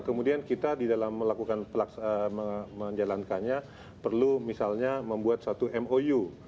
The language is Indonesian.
kemudian kita di dalam melakukan menjalankannya perlu misalnya membuat satu mou